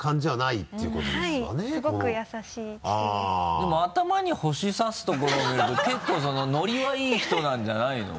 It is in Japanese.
でも頭に星刺すところを見ると結構ノリはいい人なんじゃないの？